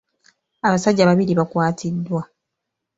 Abasajja babiri bakwatiddwa.